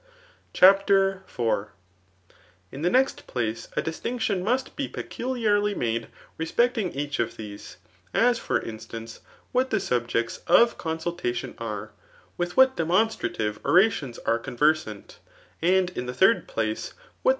CHAPTER IV. ' In the. next pbice, a distinction mqst be peculiarly imide lespectmg each of these ; as for instance, what the mtjcds ef consultaiion are ; with what demonstradve omtions are coaveisant ; and u| the third place wbat the.